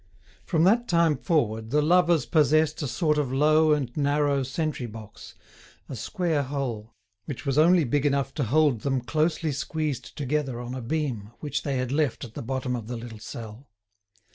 From that time forward the lovers possessed a sort of low and narrow sentry box, a square hole, which was only big enough to hold them closely squeezed together on a beam which they had left at the bottom of the little cell.